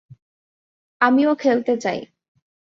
আমিও খেলতে চাই।